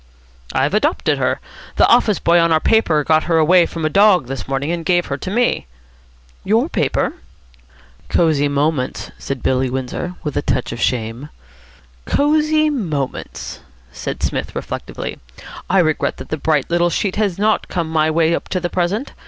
"I've adopted her. The office boy on our paper got her away from a dog this morning, and gave her to me." "Your paper?" "Cosy Moments," said Billy Windsor, with a touch of shame. "Cosy Moments?" said Psmith reflectively. "I regret that the bright little sheet has not come my way up to the present.